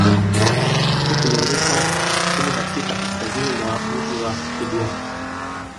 Ipo kilomita kumi na sita kaskazini mwa mji wa Kigoma